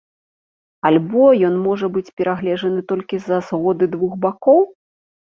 Альбо ён можа быць перагледжаны толькі са згоды двух бакоў?